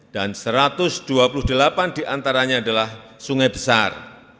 dan satu ratus dua puluh delapan diantaranya adalah sungai besar